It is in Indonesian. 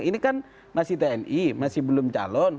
ini kan masih tni masih belum calon